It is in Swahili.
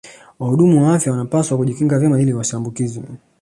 Wahudumu wa afya wanapaswa kujikinga vyema ili wasiambukizwe